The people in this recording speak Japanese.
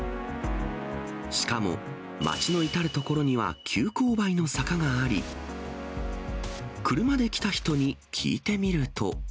しかも、町の至る所には急こう配の坂があり、車で来た人に聞いてみると。